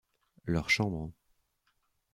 Leurs chambres.